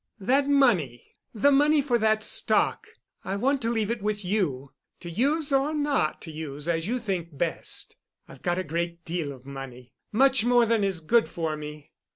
"That money—the money for that stock. I want to leave it with you—to use or not to use as you think best. I've got a great deal of money—much more than is good for me."